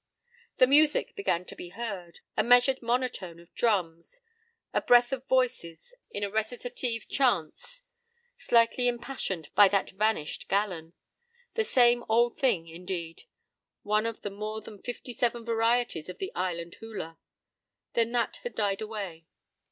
p> The "music" began to be heard, a measured monotone of drums, a breath of voices in a recitative chant, slightly impassioned by that vanished gallon. The same old thing, indeed; one of the more than fifty seven varieties of the island hula. Then that had died away.